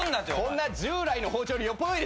こんな従来の包丁よりよっぽどいいですよ。